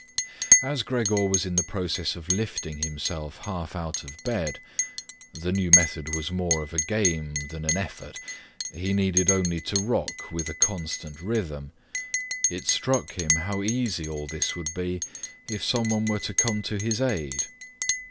As Gregor was in the process of lifting himself half out of bed—the new method was more of a game than an effort; he needed only to rock with a constant rhythm—it struck him how easy all this would be if someone were to come to his aid.